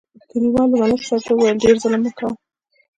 کلیوالو ملک صاحب ته وویل: ډېر ظلم مه کوه